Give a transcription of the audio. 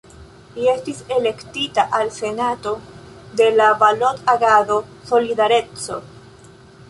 Li estis elektita al Senato de la Balot-Agado "Solidareco".